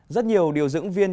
rất nhiều điều dưỡng viên